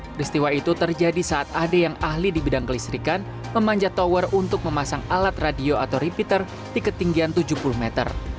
peristiwa itu terjadi saat ade yang ahli di bidang kelistrikan memanjat tower untuk memasang alat radio atau repeater di ketinggian tujuh puluh meter